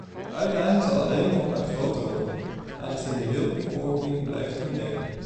Die uitdaging zal alleen nog maar groter worden, aangezien de wereldbevolking blijft toenemen.